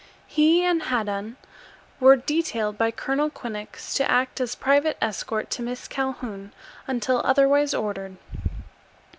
He and Haddan were detailed by Colonel Quinnox to act as private escort to Miss Calhoun until otherwise ordered.